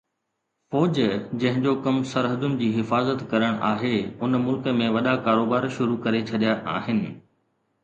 فوج جنهن جو ڪم سرحدن جي حفاظت ڪرڻ آهي ان ملڪ ۾ وڏا ڪاروبار شروع ڪري ڇڏيا آهن